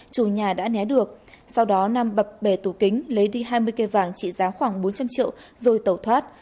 chủ nhà đã né được sau đó nam bập bè tủ kính lấy đi hai mươi cây vàng trị giá khoảng bốn trăm linh triệu rồi tẩu thoát